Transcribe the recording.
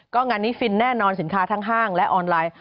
ก็งานนี้ฟินแน่นอนสินค้าทั้งห้างและออนไลน์